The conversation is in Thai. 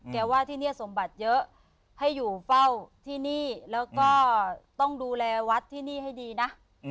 ว่าที่นี่สมบัติเยอะให้อยู่เฝ้าที่นี่แล้วก็ต้องดูแลวัดที่นี่ให้ดีนะ